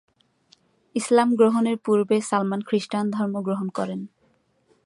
ইসলাম গ্রহণের পূর্বে সালমান খ্রিষ্টান ধর্ম গ্রহণ করেন।